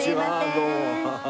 どうも。